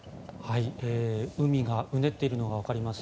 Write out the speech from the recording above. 海がうねっているのがわかります。